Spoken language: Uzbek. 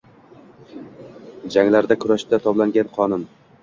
Janglarda, kurashda toblangan qonim.